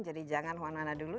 jadi jangan huana huana dulu